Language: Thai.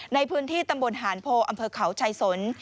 ในพื้นที่ตำบลหานโพอำเภอเขาชายสน